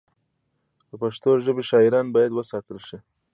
د پښتو ژبې شاعران باید وستایل شي.